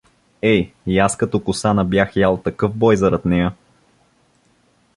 Ей, и аз като Косана бих ял такъв бой зарад нея!